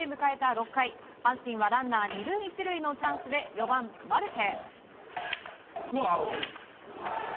６回阪神はランナー２塁１塁のチャンスで４番、マルテ。